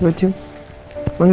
kira kira dia ada ulang